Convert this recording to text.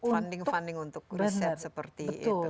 funding funding untuk riset seperti itu